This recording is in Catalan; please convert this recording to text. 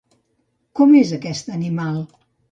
Com és aquest animal?